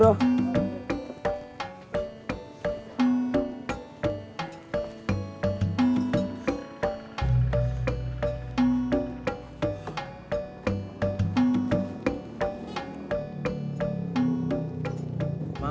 gak ada yang ngerti